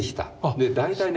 で大体ね